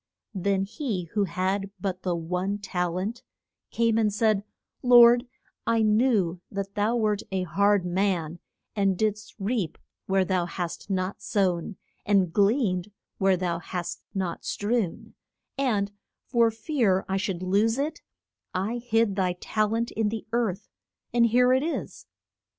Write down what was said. [Illustration: THE TAL ENTS.] Then he who had but the one tal ent came and said, Lord, I knew that thou wert a hard man, and didst reap where thou hast not sown, and gleaned where thou hast not strewn; and, for fear I should lose it, I hid thy tal ent in the earth, and here it is.